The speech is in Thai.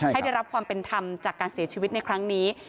ได้รับความเป็นธรรมจากการเสียชีวิตในครั้งนี้